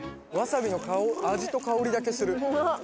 わさびの味と香りだけする。